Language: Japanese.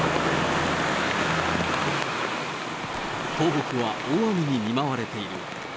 東北は大雨に見舞われている。